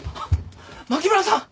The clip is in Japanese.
牧村さん。